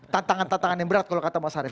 tantangan tantangan yang berat kalau kata mas arief